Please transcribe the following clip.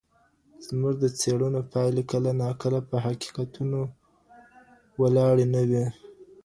زموږ د څېړنو پایلي کله ناکله په حقیقتونو وولاړي نه وي.